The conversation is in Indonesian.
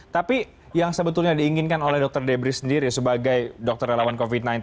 tapi yang sebetulnya diinginkan oleh dokter debrie sendiri sebagai dokter yang lawan covid sembilan belas